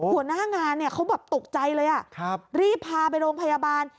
หัวหน้างานเนี่ยเขาแบบตกใจเลยรีบพาไปโรงพยาบาล